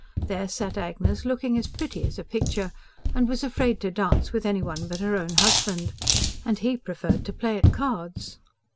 There sat Agnes, looking as pretty as a picture, and was afraid to dance with any one but her own husband. And he preferred to play at cards!